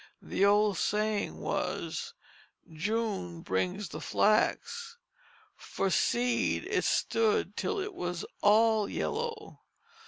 An old saying was, "June brings the flax." For seed it stood till it was all yellow.